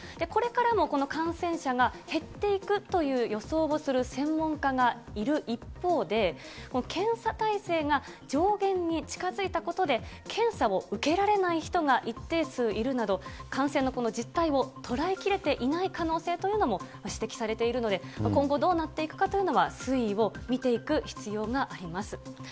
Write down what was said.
これからもこの感染者が減っていくという予想をする専門家がいる一方で、検査体制が上限に近づいたことで、検査を受けられない人が一定数いるなど、感染のこの実態を捉えきれていない可能性というのも指摘されているので、今後、どうなっていくかというのは、推移を見ていく必要があります。